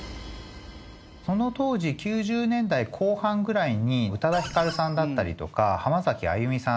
その当時９０年代後半ぐらいに宇多田ヒカルさんだったりとか浜崎あゆみさん